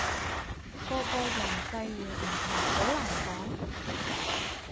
個個人際遇唔同，好難講